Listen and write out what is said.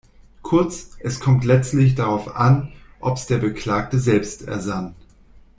Kurz: es kommt letztlich darauf an, ob’s der Beklagte selbst ersann.